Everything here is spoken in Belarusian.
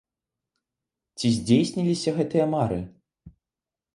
Ці здзейсніліся гэтыя мары?